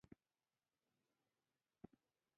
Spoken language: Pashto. د عبرت لپاره بیان شوي.